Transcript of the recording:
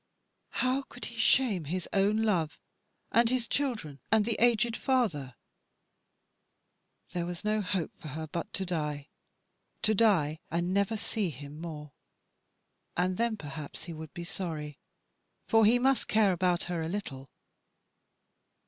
How could he shame his own love so, and his children, and the aged father there was no hope for her but to die to die and never see him more; and then perhaps he would be sorry, for he must care about her a little."